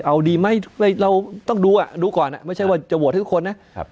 เอาดีไหมเราต้องดูอ่ะดูก่อนไม่ใช่ว่าจะโหวตให้ทุกคนนะครับ